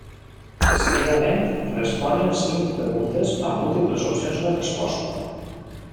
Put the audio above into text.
Seguidament responen cinc preguntes amb múltiples opcions de resposta.